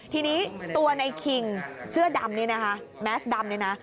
ทีนี้ตัวในคิงเสื้อดำนี่นะคะแมสดำเนี่ยนะ